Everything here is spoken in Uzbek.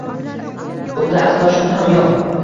Bunga aslo shubham yo’q.